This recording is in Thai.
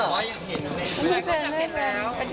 ไม่เป็นไม่เล่น